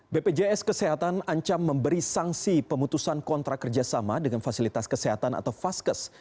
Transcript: bpjs kesehatan ancam memberi sanksi pemutusan kontrak kerjasama dengan fasilitas kesehatan atau vaskes